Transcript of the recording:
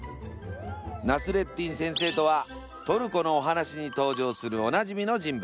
「ナスレッディン先生」とはトルコのお話に登場するおなじみの人物。